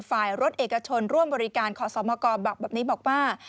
ฝ่ายรถเอกชนร่วมบริการขอสมกรบอกแบบนี้บอกว่า